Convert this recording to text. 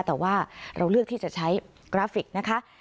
แต่ว่าเราเลือกที่จะใช้กราฟิกนะคะ